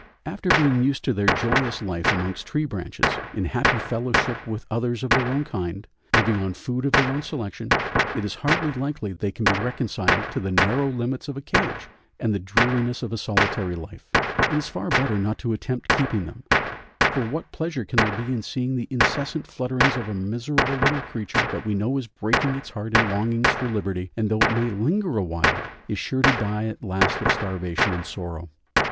After being used to their joyous life amongst tree branches, in happy fellowship with others of their own kind, living on food of their own selection, it is hardly likely they can be reconciled to the narrow limits of a cage and the dreariness of a solitary life; it is far better not to attempt keeping them, for what pleasure can there be in seeing the incessant flutterings of a miserable little creature that we know is breaking its heart in longings for liberty, and though it may linger a while is sure to die at last of starvation and sorrow.